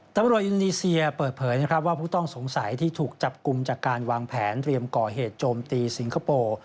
ตำรวจอินนีเซียเปิดเผยนะครับว่าผู้ต้องสงสัยที่ถูกจับกลุ่มจากการวางแผนเตรียมก่อเหตุโจมตีสิงคโปร์